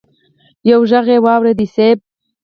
يو ږغ يې واورېد: صېب!